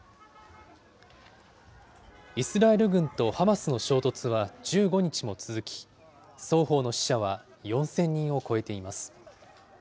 イスラエル軍とハマスの衝突は１５日も続き、双方の死者は４０００人を超えています。